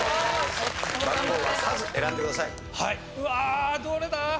うわどれだ？